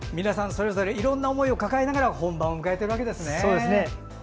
皆さんそれぞれいろんな思いを抱えながら本番を迎えているわけですね。